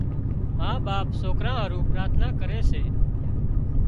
ما ٻاپ سوڪران هارو پراٿنا ڪري سي